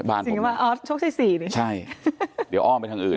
บ้านผมจริงหรือเปล่าอ๋อโชคชัยสี่นี่ใช่เดี๋ยวอ้อมไปทางอื่น